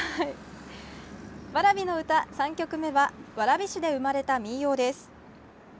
蕨の歌３曲目は蕨市で生まれた民謡です。